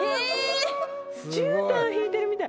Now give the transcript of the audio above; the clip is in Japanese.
じゅうたん敷いてるみたい。